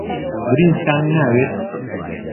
برنجتان ناوێت؟